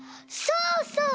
そうそう。